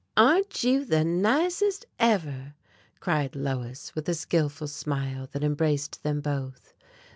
"Aren't you the nicest ever?" cried Lois with a skillful smile that embraced them both.